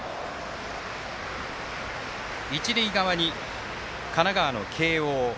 一塁側に神奈川の慶応。